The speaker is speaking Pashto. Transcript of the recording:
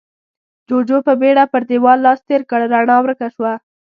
جُوجُو په بيړه پر دېوال لاس تېر کړ، رڼا ورکه شوه.